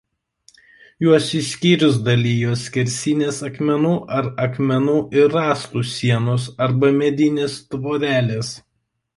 Juos į skyrius dalijo skersinės akmenų ar akmenų ir rąstų sienos arba medinės tvorelės.